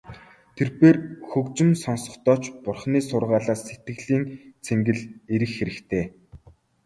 Тэрбээр хөгжим сонсохдоо ч Бурханы сургаалаас сэтгэлийн цэнгэл эрэх хэрэгтэй.